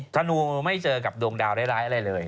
ธนูไม่เจอกับดวงดาวร้ายอะไรเลย